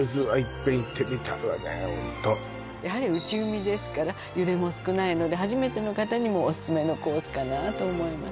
やはり内海ですから揺れも少ないので初めての方にもオススメのコースかなと思います